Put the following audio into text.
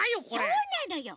そうなのよ。